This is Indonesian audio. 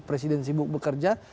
presiden sibuk bekerja